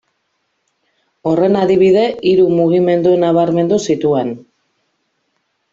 Horren adibide, hiru mugimendu nabarmendu zituen.